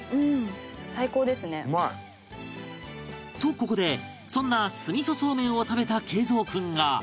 ここでそんな酢味噌そうめんを食べた敬蔵君が